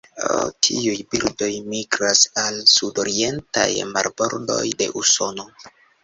Tiuj birdoj migras al sudorientaj marbordoj de Usono.